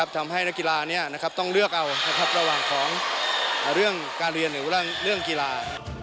ทำให้นักกีฬาต้องเลือกเอาระหว่างของเรื่องการเรียนหรือเรื่องกีฬา